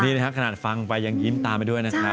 นี่นะครับขนาดฟังไปยังยิ้มตามไปด้วยนะครับ